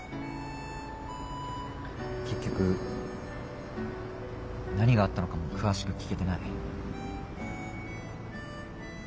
結局何があったのかも詳しく聞けてない。